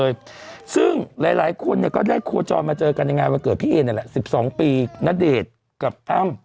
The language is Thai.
เยอะไหมรอยชนเยอะไหม